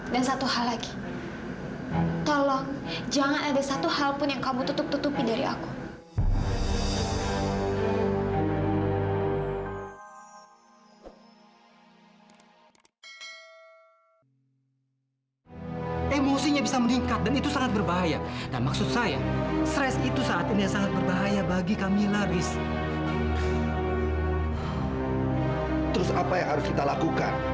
dan satu hal lagi tolong jangan ada satu hal pun yang kamu tutup tutupi dari aku